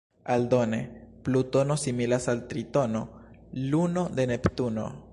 Aldone, Plutono similas al Tritono, luno de Neptuno.